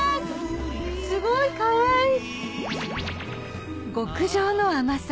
すごいかわいい。